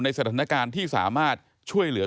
สถานการณ์ที่สามารถช่วยเหลือ